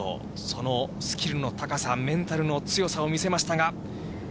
そのスキルの高さ、メンタルの強さを見せましたが。